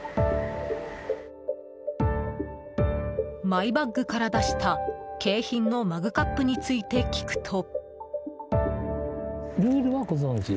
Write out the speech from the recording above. マイバッグから出した景品のマグカップについて聞くと。